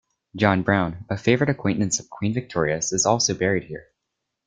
John Brown, a favoured acquaintance of Queen Victoria's is also buried here.